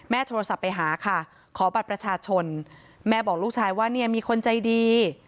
โทรศัพท์ไปหาค่ะขอบัตรประชาชนแม่บอกลูกชายว่าเนี่ยมีคนใจดี